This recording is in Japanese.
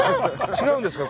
違うんですか？